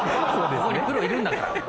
ここにプロいるんだから。